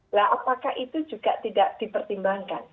nah apakah itu juga tidak dipertimbangkan